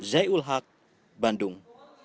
zai ul haq bandung